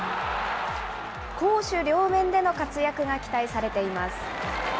攻守両面での活躍が期待されています。